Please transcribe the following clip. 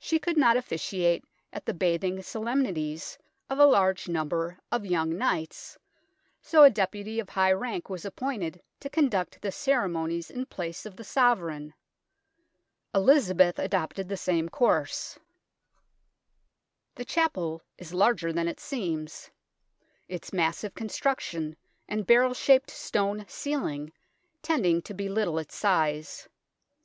She could not officiate at the bathing solem nities of a large number of young knights, so a deputy of high rank was appointed to con duct the ceremonies in place of the Sovereign. Elizabeth adopted the same course. 138 THE TOWER OF LONDON The chapel is larger than it seems, its massive construction and barrel shaped stone ceiling tending to belittle its size.